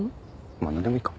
まあなんでもいいか。